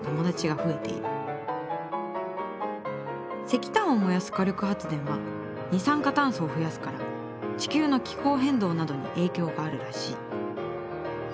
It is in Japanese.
石炭を燃やす火力発電は二酸化炭素を増やすから地球の気候変動などに影響があるらしい。